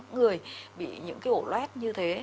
người bị những cái ổ lét như thế